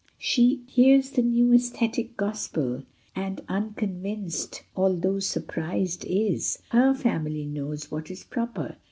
She hears the new aesthetic Gospel, And unconvinced although surprised is ; Her family knows what is proper.